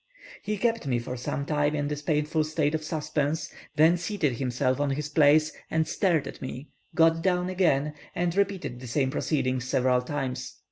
He kept me for some time in this painful state of suspense, then seated himself on his place and stared at me, got down again, and repeated the same proceedings several times.